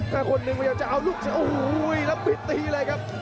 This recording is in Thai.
แต่คนหนึ่งพยายามจะเอาลูกเสือโอ้โหแล้วปิดตีเลยครับ